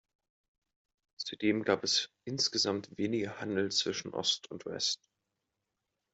Zudem gab es insgesamt weniger Handel zwischen Ost und West.